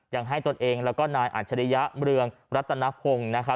ยังให้ตัวเองแล้วก็นายอัญชริยะเรืองรัฐนพงศ์